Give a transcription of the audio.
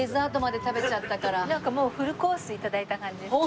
もうフルコース頂いた感じですね。